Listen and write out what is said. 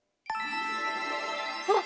あっ！